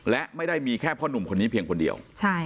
และไม่ได้มีแค่พ่อนุ่มคนนี้เพียงคนเดียว